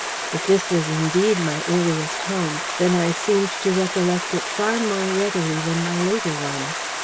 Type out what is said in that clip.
If this was indeed my earliest home, then I seemed to recollect it far more readily than my later one.